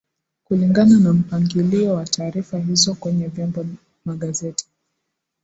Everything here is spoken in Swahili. Kulingana na mpangilio wa taarifa hizo kwenye vyombo magazeti